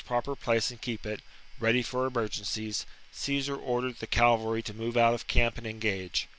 proper place and keep it, ready for emergencies, Caesar ordered the cavalry to move out of camp and engage.